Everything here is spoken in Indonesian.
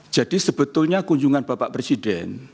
jadi sebetulnya kunjungan bapak presiden